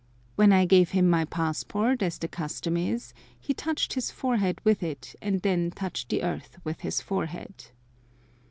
When I gave him my passport, as the custom is, he touched his forehead with it, and then touched the earth with his forehead.